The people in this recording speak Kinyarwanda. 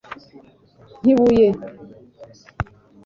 Nkibuye